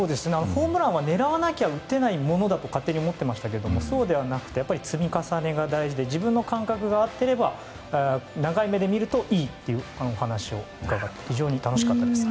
ホームランは狙わなきゃ打てないものだと勝手に思っていましたがそうではなくてやっぱり積み重ねが大事で自分の感覚が合っていれば長い目で見ればいいというお話を伺って非常に楽しかったです。